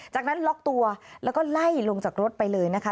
จากนั้นล็อกตัวแล้วก็ไล่ลงจากรถไปเลยนะคะ